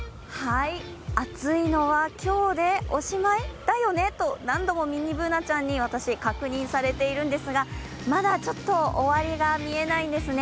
暑いのは今日でおしまいだよね？と何度もミニＢｏｏｎａちゃんに確認されてるんですが、まだちょっと終わりが見えないんですね。